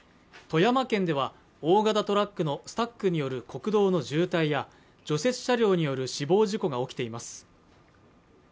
富山県では大型トラックのスタックによる国道の渋滞や除雪車両による死亡事故が起きています